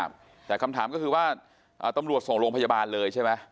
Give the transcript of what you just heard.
แต่คำถามก็คือว่าตำรวจส่งโรงพยาบาลเลยใช่ไหม